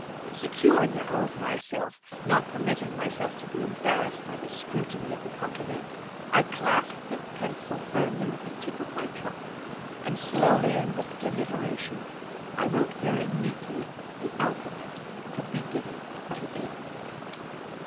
Secure now of myself, not permitting myself to be embarrassed by the scrutiny of the company, I clasped the pencil firmly with the tip of my trunk, and slowly, and with deliberation, I wrote very neatly the Alphabet, from beginning to end.